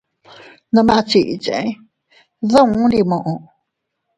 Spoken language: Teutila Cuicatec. Nome a chichee duun ndi muʼu.